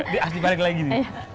dia asli balik lagi gini